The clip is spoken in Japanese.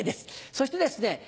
そしてですね